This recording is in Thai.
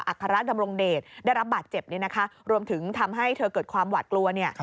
อัครราชดำรงเดชได้รับบาดเจ็บเนี้ยนะคะรวมถึงทำให้เธอเกิดความหวัดกลัวเนี้ย